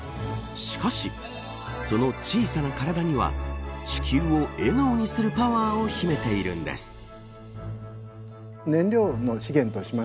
しかし、その小さな体には地球を笑顔にするパワーを秘めているんです。